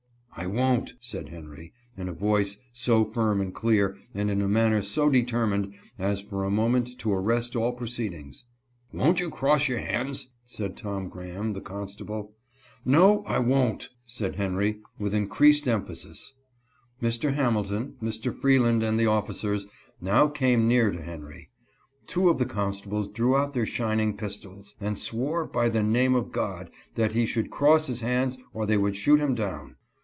"I won't," said Henry, in a voice so firm and clear, and in a manner so determined, as for a moment to arrest all proceedings. "Won't you cross your hands ?" said Tom Graham, the 208 henry's resistance. constable. "No, I won't" said Henry, with increasing emphasis. Mr. Hamilton, Mr. Freeland, and the officers now came near to Henry. Two of the constables drew out their shining pistols, and swore, by the name of God, that he should cross his hands or they would shoot him down.